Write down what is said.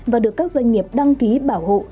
và được các doanh nghiệp đăng ký bảo hộ